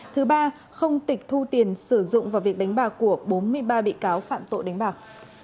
thứ ba không tịch thu tiền sử dụng vào việc đánh bạc của bốn mươi ba bị cáo phạm tội đánh bạc